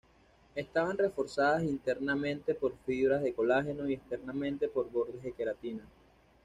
Estaban reforzadas internamente por fibras de colágeno y externamente por bordes de queratina.